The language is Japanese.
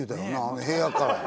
あの部屋から。